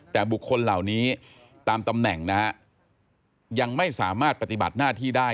แต่บุคคลเหล่านี้ตามตำแหน่งนะฮะยังไม่สามารถปฏิบัติหน้าที่ได้